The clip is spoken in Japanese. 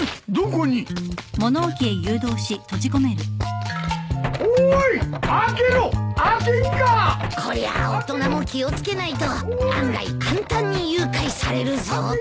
こりゃ大人も気を付けないと案外簡単に誘拐されるぞ。